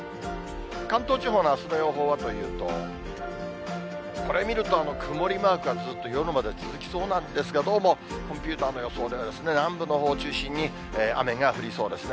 関東地方のあすの予報はというと、これ見ると、曇りマークがずっと夜まで続きそうなんですが、どうもコンピューターの予想では、南部のほう中心に雨が降りそうですね。